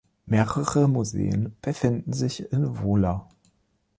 Mehrere Museen befinden sich in Wola.